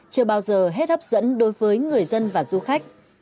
chưa bao giờ hết hấp dẫn đối với người dân và du khách